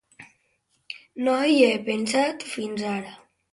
No hi he pensat fins ara.